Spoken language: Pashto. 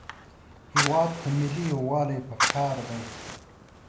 هېواد ته ملي یووالی پکار دی